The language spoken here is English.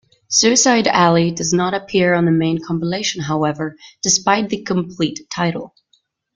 "Suicide Alley" does not appear on the main compilation, however, despite the "complete" title.